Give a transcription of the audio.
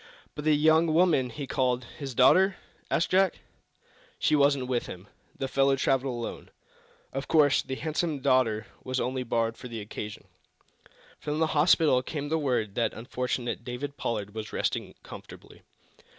"But the young woman he called his daughter?" asked Jack "She wasn't with him. The fellow traveled alone. Of course, the handsome daughter was only borrowed for the occasion." From the hospital came the word that unfortunate David Pollard was resting comfortably.